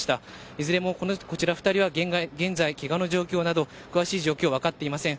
いずれもこちらの２人はけがの状況など詳しい状況は分かっていません。